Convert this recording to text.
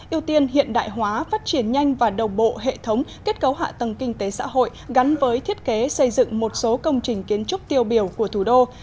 yêu tiên hiện đại hóa phát triển nhanh và đầu bộ hệ thống kết cấu hạ tầng kinh tế xã hội gắn với thiết kế xây dựng một số công trình kiến trúc tiêu biểu của thủ đô